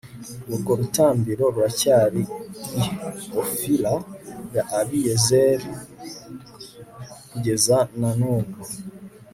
urwo rutambiro ruracyari i ofura ya abiyezeri kugeza na n'ubu